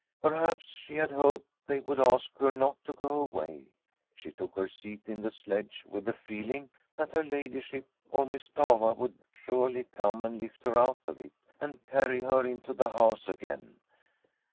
Perhaps she had hoped they would ask her not to go away. She took her seat in the sledge witn the feeling that her ladyship or Miss Stafva would surely come and lift her out of it, and carry her into the house again.